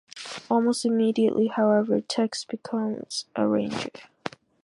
Almost immediately, however, Tex becomes a ranger.